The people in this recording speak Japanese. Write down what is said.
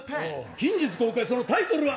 近日公開、そのタイトルは。